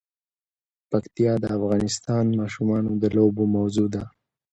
پکتیا د افغان ماشومانو د لوبو موضوع ده.